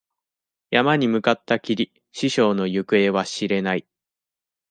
山に向かったきり、師匠の行方は知れない。